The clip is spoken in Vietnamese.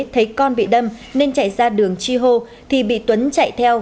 thấy con bị đâm nên chạy ra đường chi hô